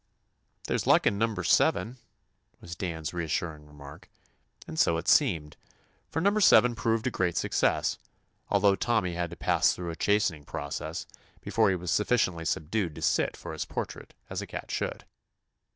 "There 's luck in number seven," was Dan's reassuring remark, and so it seemed, for number seven proved a 168 TOMMY POSTOFFICE great success, although Tommy had to pass through a chastening process before he was sufficiently subdued to sit for his portrait as a cat should.